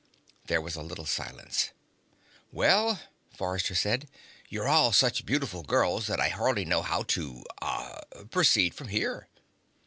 There was a little silence. "Well," Forrester said. "You're all such beautiful girls that I hardly know how to ah proceed from here."